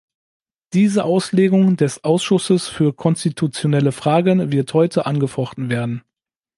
Diese Auslegung des Ausschusses für konstitutionelle Fragen wird heute angefochten werden.